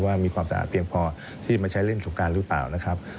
มีความสะอาดเพียงพอที่จะมาใช้เล่นสงการหรือเปล่านะครับ